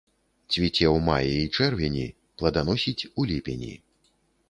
Цвіце ў маі і чэрвені, плоданасіць у ліпені.